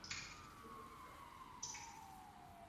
山脉本身为天然界山。